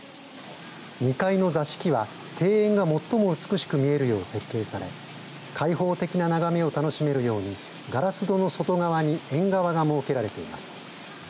２階の座敷は庭園が最も美しく見えるよう設計され解放的な眺めを楽しめるようにガラス戸の外側に縁側が設けられています